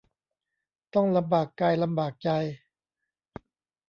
ต้องลำบากกายลำบากใจ